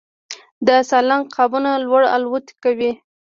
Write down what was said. د سالنګ عقابونه لوړ الوت کوي